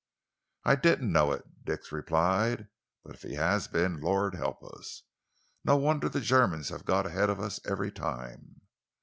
"I didn't know it," Dix replied, "but if he has been, Lord help us! No wonder the Germans have got ahead of us every time!"